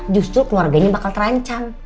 justru keluarganya bakal terancam